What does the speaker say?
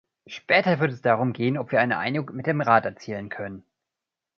Später wird es darum gehen, ob wir eine Einigung mit dem Rat erzielen können.